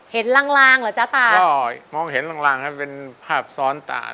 ลางลางเหรอจ๊ะตาก็มองเห็นลางลางครับเป็นภาพซ้อนตา